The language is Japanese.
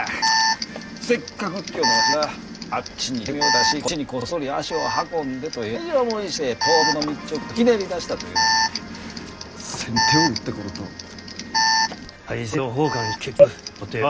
せっかく蟄居のわしがあっちに手紙を出しこっちにこっそり足を運んでとえらい思いして倒幕の密勅をひねり出したというのに先手を打ってくるとは。